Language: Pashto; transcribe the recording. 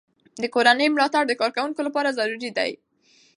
د کورنۍ ملاتړ د کارکوونکو لپاره ضروري دی.